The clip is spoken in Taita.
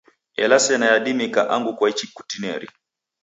Ela sena yadimika angu kwaichi kutineri.